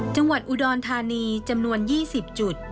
จังหวัดอุดรธานีจำนวน๒๐จุด